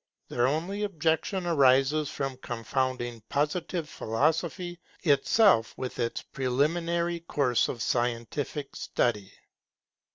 Their only objection arises from confounding Positive Philosophy itself with its preliminary course of scientific study.